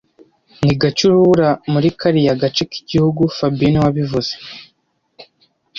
Ni gake urubura muri kariya gace k'igihugu fabien niwe wabivuze